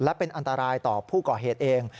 และเป็นอันตรายต่อผู้ก่อเหตุเอง